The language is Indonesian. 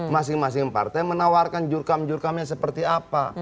masing masing partai menawarkan jurkam jurkamnya seperti apa